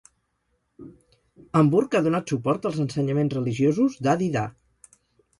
Hamburg ha donat suport als ensenyaments religiosos d'Adi Da.